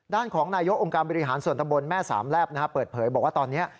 ด้านของนายกองค์การบริหารส่วนตำบลแม่สามแลบเปิดเผยบอกว่าตอนนี้